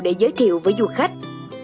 để giới thiệu với du khách